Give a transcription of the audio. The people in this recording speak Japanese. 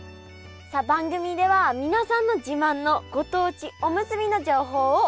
さあ番組では皆さんの自慢のご当地おむすびの情報をお待ちしております。